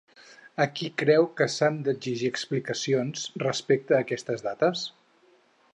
A qui creu que s'han d'exigir explicacions respecte a aquestes dates?